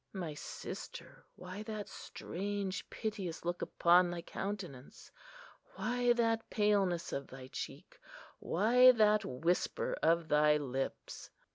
My sister,—why that strange, piteous look upon thy countenance?—why that paleness of thy cheek?—why that whisper of thy lips?